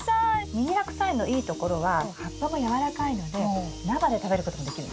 ミニハクサイのいいところは葉っぱも軟らかいので生で食べることもできるんです。